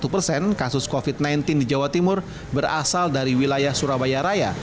satu persen kasus covid sembilan belas di jawa timur berasal dari wilayah surabaya raya